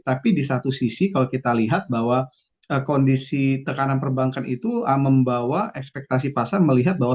tapi di satu sisi kalau kita lihat bahwa kondisi tekanan perbankan itu membawa ekspektasi pasar melihat bahwa